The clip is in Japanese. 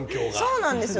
そうなんですよ。